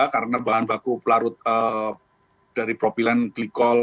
karena bahan baku pelarut dari propilen glikol